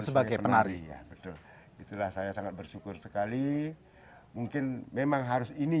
sebagai penari ya betul itulah saya sangat bersyukur sekali mungkin memang harus ini